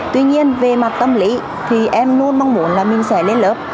tuy nhiên về mặt tâm lý thì em luôn mong muốn là mình sẽ lên lớp